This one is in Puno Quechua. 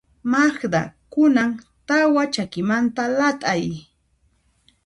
Magda, kunan tawa chakimanta lat'ay.